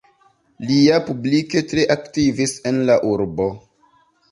Li ja publike tre aktivis en la urbo.